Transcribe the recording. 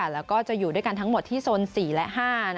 แล้วก็จะอยู่ด้วยกันทั้งหมดที่โซน๔และ๕